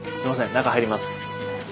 中入ります。